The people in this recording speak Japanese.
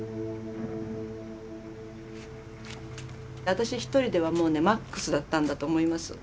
私一人ではもうねマックスだったんだと思います。